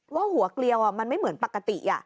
ว่าหัวเกลียวมันไม่เหมือนปกติ